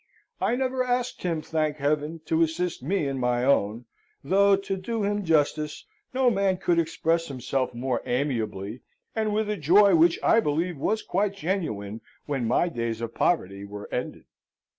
I never asked him, thank Heaven, to assist me in my own; though, to do him justice, no man could express himself more amiably, and with a joy which I believe was quite genuine, when my days of poverty were ended.